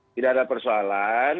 asal bukan makan bersama